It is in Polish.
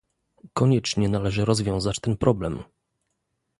Koniecznie należy rozwiązać ten problem